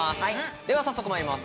では早速まいります